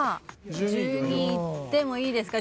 １２いってもいいですか？